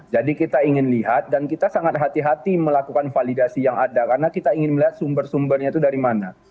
jadi kita ingin lihat dan kita sangat hati hati melakukan validasi yang ada karena kita ingin melihat sumber sumber nya itu dari mana